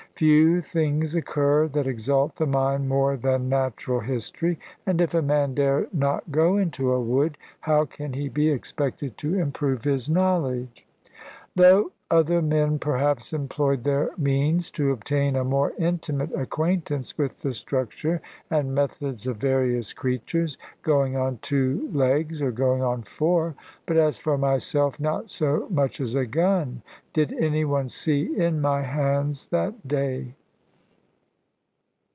Few things occur that exalt the mind more than natural history; and if a man dare not go into a wood, how can he be expected to improve his knowledge? Tho other men perhaps employed their means to obtain a more intimate acquaintance with the structure and methods of various creatures, going on two legs, or going on four; but as for myself, not so much as a gun did any one see in my hands that day.